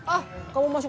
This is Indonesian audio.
ah kamu mau masuk